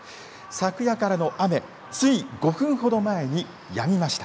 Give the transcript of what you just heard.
昨夜からの雨、つい５分ほど前にやみました。